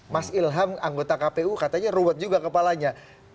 mas ilham anggota kpu katanya ruwet juga kepalanya